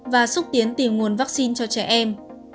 và xúc tiến tìm nguồn vaccine cho trẻ em